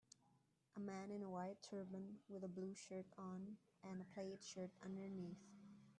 A man in a white turban with a blue shirt on and a plaid shirt underneath